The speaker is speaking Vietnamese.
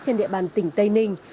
trên địa bàn tỉnh tây ninh